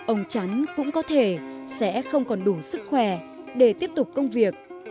ông chắn cũng có thể sẽ không còn đủ sức khỏe để tiếp tục công việc